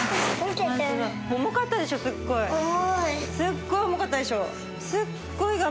すっごい重かったでしょ。